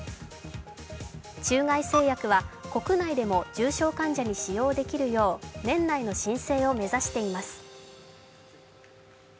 中外製薬は国内でも重症患者に使用できるよう年内の申請を目指しています。